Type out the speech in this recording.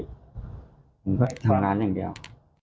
ผมก็ทำงานอย่างเดียว